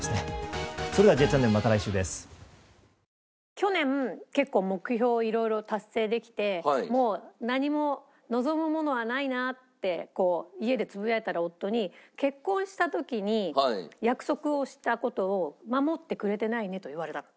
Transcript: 去年結構目標を色々達成できて「もう何も望むものはないな」ってこう家でつぶやいたら夫に「結婚した時に約束をした事を守ってくれてないね」と言われたの。